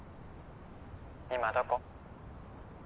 今どこ？